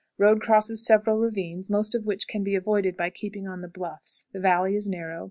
Road crosses several ravines, most of which can be avoided by keeping on the bluffs; the valley is narrow.